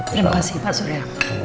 terima kasih pak surya